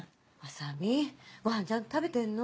麻美ごはんちゃんと食べてるの？